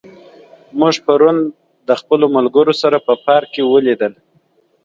موږ پرون د خپلو ملګرو سره په پارک کې ولیدل.